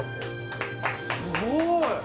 すごい！